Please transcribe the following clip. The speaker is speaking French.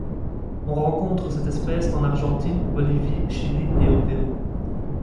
On rencontre cette espèce en Argentine, Bolivie, Chili et au Peru.